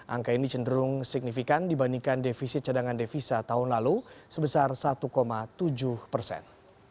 angka ini cenderung signifikan dibandingkan defisit cadangan devisa tahun lalu sebesar satu tujuh persen